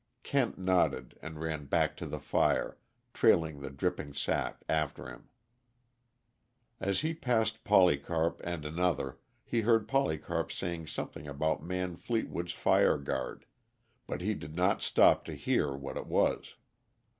Kent nodded, and ran back to the fire, trailing the dripping sack after him. As he passed Polycarp and another, he heard Polycarp saying something about Man Fleetwood's fire guard; but he did not stop to hear what it was.